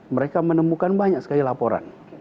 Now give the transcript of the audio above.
mereka menemukan banyak sekali laporan